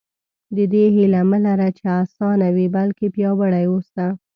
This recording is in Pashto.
د دې هیله مه لره چې اسانه وي بلکې پیاوړي اوسئ.